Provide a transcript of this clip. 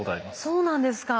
そうなんですか。